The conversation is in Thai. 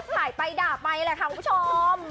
ถ่ายไปด่าไปแหละค่ะคุณผู้ชม